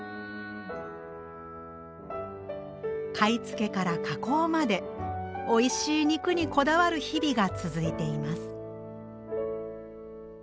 買い付けから加工までおいしい肉にこだわる日々が続いています。